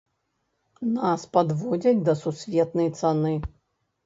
Нас падводзяць да сусветнай цаны.